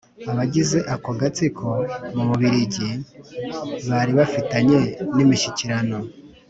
abagize ako gatsiko, mu bubiligi bari bafitanye n'imishyikirano